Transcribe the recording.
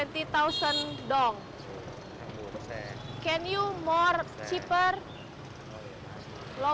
tidak murah tidak murah untuk melia